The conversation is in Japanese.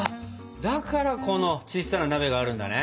だからこのちっさな鍋があるんだね。